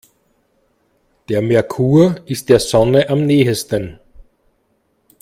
Der Merkur ist der Sonne am nähesten.